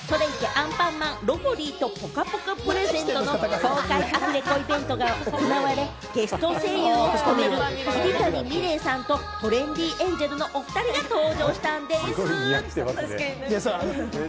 アンパンマンロボリィとぽかぽかプレゼント』の公開アフレコイベントが行われ、ゲスト声優として出る桐谷美玲さんとトレンディエンジェルの２人が登場したんでぃす！